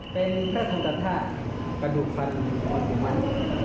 เป็นกล้าทนตัวท่ากระดูกฟันพ่นปู่มั่น